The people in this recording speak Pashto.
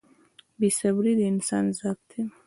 • بې صبري د انسان ضعف دی.